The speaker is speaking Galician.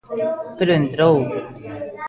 Pero entrou.